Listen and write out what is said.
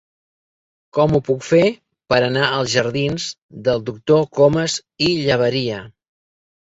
Com ho puc fer per anar als jardins del Doctor Comas i Llaberia?